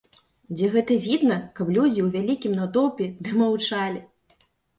Дзе гэта відана, каб людзі ў вялікім натоўпе ды маўчалі?